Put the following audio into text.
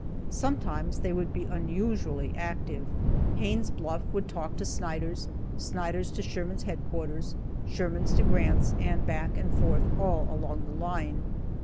Sometimes they would be unusually active. Haines' Bluff would talk to Snyder's; Snyder's to Sherman's headquarters; Sherman's to Grant's, and back and forth, all along the line.